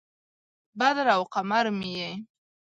بدر او قمر مې یې